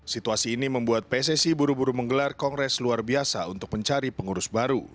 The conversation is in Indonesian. situasi ini membuat pssi buru buru menggelar kongres luar biasa untuk mencari pengurus baru